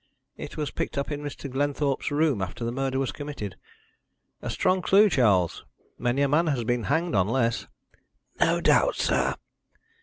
"It was picked up in Mr. Glenthorpe's room after the murder was committed. A strong clue, Charles! Many a man has been hanged on less." "No doubt, sir."